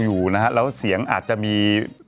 ดื่มน้ำก่อนสักนิดใช่ไหมคะคุณพี่